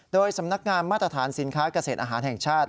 โดยสำนักงานมาตรฐานสินค้าเกษตรอาหารแห่งชาติ